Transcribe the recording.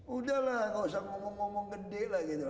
udahlah gak usah ngomong ngomong gede lah gitu